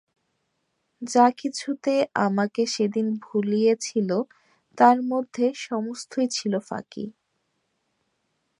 যা-কিছুতে আমাকে সেদিন ভুলিয়েছিল তার মধ্যে সমস্তই ছিল ফাঁকি।